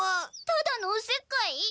ただのおせっかい？